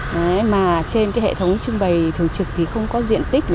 mà trên hệ thống trưng bày thường trực thì không có diện tích